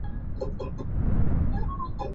马识途认为这可见罗广斌并无自杀念头。